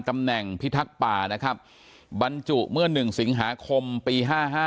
เมื่อ๑สิงหาคมปี๕๕